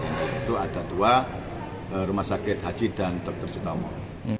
itu ada dua rumah sakit haji dan dokter jutaan